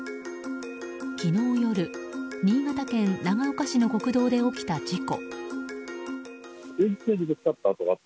昨日夜、新潟県長岡市の国道で起きた事故。